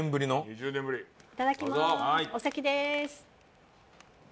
お先です。